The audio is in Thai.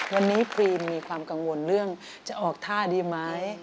วันนี้ฟรีมีความกังวลเรื่องจะออกท่าดีไหม